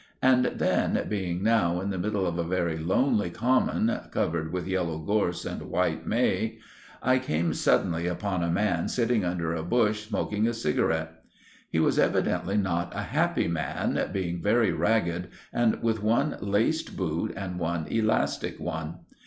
And then, being now in the middle of a very lonely common covered with yellow gorse and white may, I came suddenly upon a man sitting under a bush smoking a cigarette. He was evidently not a happy man, being very ragged and with one laced boot and one elastic one.